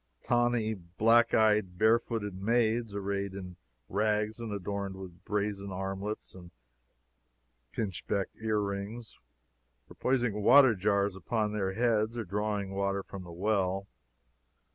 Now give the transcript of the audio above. Tawny, black eyed, barefooted maids, arrayed in rags and adorned with brazen armlets and pinchbeck ear rings, were poising water jars upon their heads, or drawing water from the well.